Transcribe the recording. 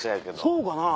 そうかな？